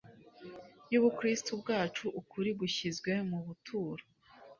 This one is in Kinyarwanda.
y’Ubukristo bwacu. Ukuri gushyizwe mu buturo